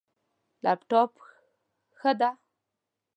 لپټاپ، ښه ده